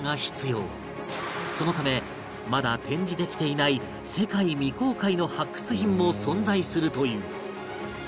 そのためまだ展示できていない世界未公開の発掘品も存在するという